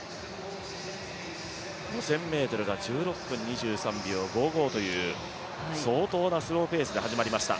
５０００ｍが１６分２３秒５５という相当なスローペースで始まりました。